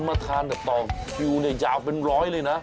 มาทานกับต่อคิวเนี่ยยาวเป็นร้อยเลยนะ